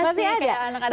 masih ya masih ada